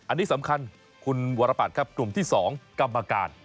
อันนี้สำคัญคุณวรปัตรครับกลุ่มที่๒กรรมการ